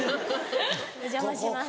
お邪魔します。